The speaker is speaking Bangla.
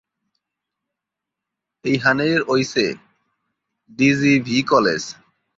এখানেই রয়েছে ডি জি ভি কলেজ।